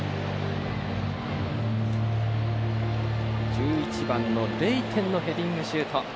１１番のレイテンのヘディングシュート。